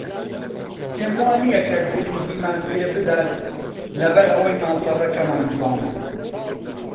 پێم وانییە کەس گرنگیمان پێ بدات لەبەر ئەوەی ماڵپەڕەکەمان جوانە